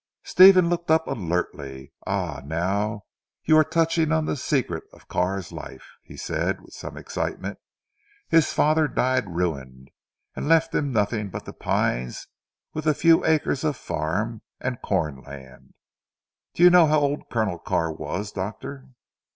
Stephen looked up alertly. "Ah, now you are touching on the secret of Carr's life," he said with some excitement. "His father died ruined, and left him nothing but 'The Pines' with a few acres of farm, and corn land. Do you know how old Colonel Carr was, doctor?"